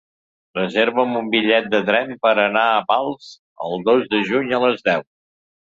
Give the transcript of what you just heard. Reserva'm un bitllet de tren per anar a Pals el dos de juny a les deu.